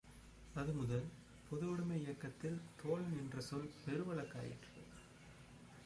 அதுமுதல், பொதுவுடைமை இயக்கத்தில் தோழன் என்ற சொல் பெருவழக்காயிற்று.